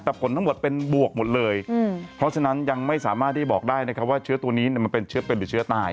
แต่ผลทั้งหมดเป็นบวกหมดเลยเพราะฉะนั้นยังไม่สามารถที่บอกได้นะครับว่าเชื้อตัวนี้มันเป็นเชื้อเป็นหรือเชื้อตาย